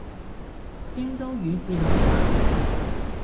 京都宇治綠茶